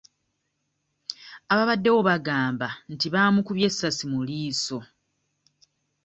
Abaabaddewo bagamba nti baamukubye essasi mu liiso.